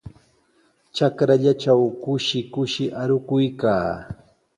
Trakrallaatraw kushi kushi arukuykaa.